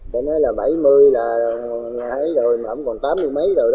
tôi nói là bảy mươi là thấy rồi mà không còn tám mươi mấy rồi